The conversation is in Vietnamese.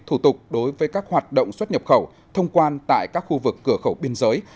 thủ tục đối với các hoạt động xuất nhập khẩu thông quan tại các khu vực cửa khẩu biên giới